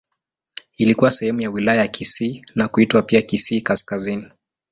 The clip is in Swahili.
Ilikuwa sehemu ya Wilaya ya Kisii na kuitwa pia Kisii Kaskazini.